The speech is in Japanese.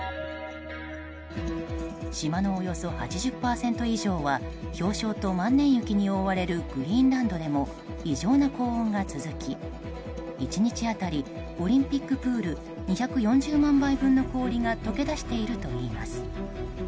島のおよそ８０％以上は氷床と万年雪に覆われるグリーンランドでも異常な高温が続き１日当たりオリンピックプール２４０万杯分の氷が溶け出しているといいます。